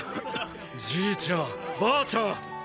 じいちゃんばあちゃん。